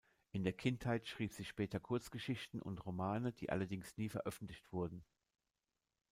In der Kindheit schrieb sie später Kurzgeschichten und Romane, die allerdings nie veröffentlicht wurden.